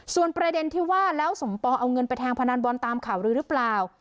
ส่วนประเด็นที่ว่าแล้วสมปองเอาเงินไปแทงพนันบอลตามข่าวลื้อหรือเปล่า